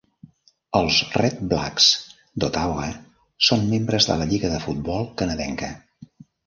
Els Redblacks d'Ottawa són membres de la Lliga de Futbol Canadenca.